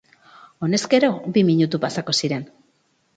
Honezkero, bi minutu pasako ziren.